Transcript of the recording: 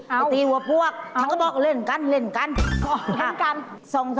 ไปตีว่าปลวกฉันก็เล่นกัน